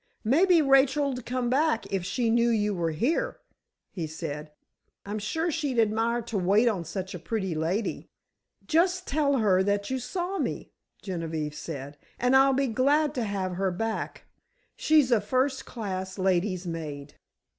"Maybe Rachel'd come back if she knew you were here," he said. "I'm sure she'd admire to wait on such a pretty lady." "Just tell her that you saw me," Genevieve said, "and I'll be glad to have her back. She's a first class ladies' maid."